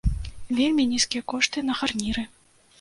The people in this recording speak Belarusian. Вельмі нізкія кошты на гарніры.